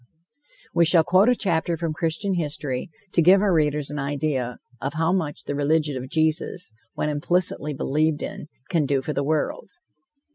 We shall quote a chapter from Christian history to give our readers an idea of how much the religion of Jesus, when implicitly believed in, can do for the world.